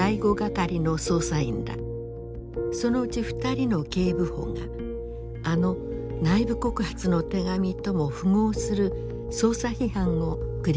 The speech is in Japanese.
そのうち２人の警部補があの内部告発の手紙とも符合する捜査批判を繰り返したのだ。